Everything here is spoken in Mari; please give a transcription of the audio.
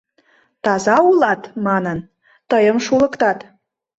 Таза улат? — манын, тыйым шулыктат.